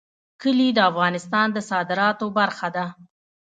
کلي د افغانستان د صادراتو برخه ده.